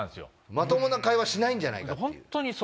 まともな会話しないんじゃないかっていう。